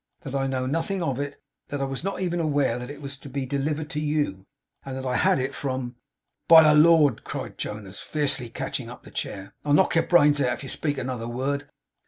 That I know nothing of it. That I was not even aware that it was to be delivered to you; and that I had it from ' 'By the Lord!' cried Jonas, fiercely catching up the chair, 'I'll knock your brains out, if you speak another word.